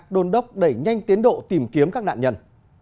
đôn đốc đẩy nhanh tiến độ tìm kiếm các nạn nhân